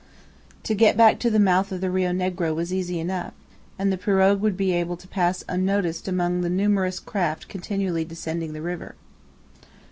To get back to the mouth of the Rio Negro was easy enough, and the pirogue would be able to pass unnoticed among the numerous craft continually descending the river.